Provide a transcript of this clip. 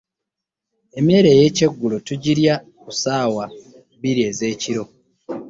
Emmere yekyegulo tugirya kusawa bbiri ezekiro.